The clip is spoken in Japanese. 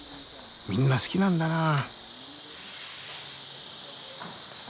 みんな好きなんだなあ。